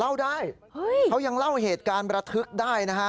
เล่าได้เขายังเล่าเหตุการณ์ประทึกได้นะฮะ